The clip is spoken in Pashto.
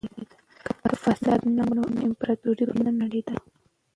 که فساد نه وای نو امپراطورۍ به نه نړېده.